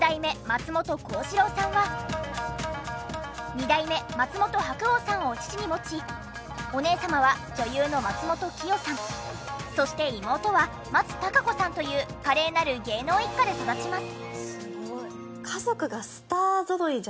二代目松本白鸚さんを父に持ちお姉様は女優の松本紀保さんそして妹は松たか子さんという華麗なる芸能一家で育ちます。